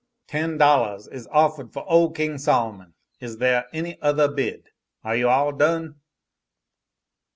"Ten dollahs is offahed foh ole King Sol'mon. Is theah any othah bid. Are you all done?"